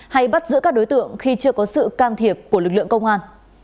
hay bắt giữ các đối tượng khi chưa có sự can thiệp của lực lượng công an